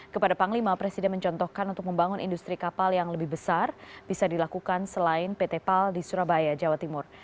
kepada panglima presiden mencontohkan untuk membangun industri kapal yang lebih besar bisa dilakukan selain pt pal di surabaya jawa timur